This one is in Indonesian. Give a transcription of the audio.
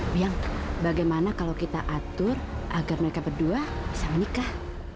bilang bagaimana kalau kita atur agar mereka berdua bisa menikah